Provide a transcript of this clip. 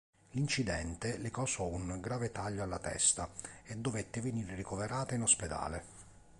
L'incidente le causò un grave taglio alla testa e dovette venire ricoverata in ospedale.